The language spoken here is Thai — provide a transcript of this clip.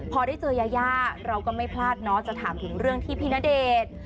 พอได้เจอยายาเราก็ไม่พลาดเนาะจะถามถึงเรื่องที่พี่ณเดชน์